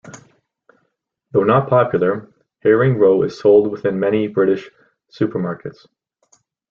Though not popular, herring roe is sold within many British supermarkets.